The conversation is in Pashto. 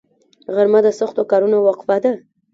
غرمه د سختو کارونو وقفه ده